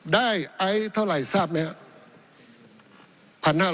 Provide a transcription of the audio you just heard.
ได้ไอเท่าไหร่ทราบไหม